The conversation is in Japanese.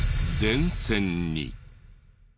電線に。